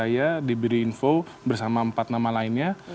saya sudah beri info bersama empat nama lainnya